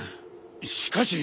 しかし。